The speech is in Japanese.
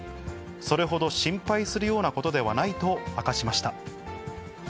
それほど心配するようなことではないと明かしました。